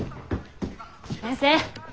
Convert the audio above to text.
先生！